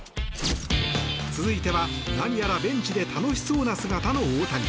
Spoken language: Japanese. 続いては何やらベンチで楽しそうな姿の大谷。